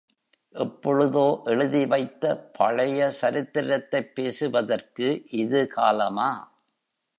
எப்பொழுதோ எழுதி வைத்த பழைய சரித்திரத்தைப் பேசுவதற்கு இது காலமா?